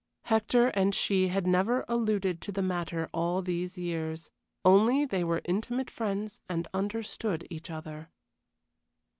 Hector and she had never alluded to the matter all these years, only they were intimate friends and understood each other.